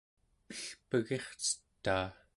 elpegircetaa